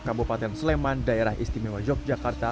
kabupaten sleman daerah istimewa yogyakarta